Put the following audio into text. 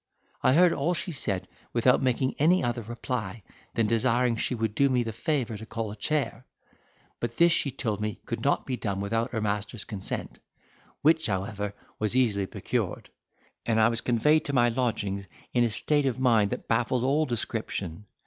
I heard all she said without making any other reply than desiring she would do me the favour to call a chair; but this she told me could not be done without her master's consent, which, however, was easily procured, and I was conveyed to my lodgings in a state of mind that baffles all description.